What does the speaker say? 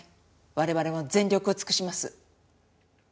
我々も全力を尽くします。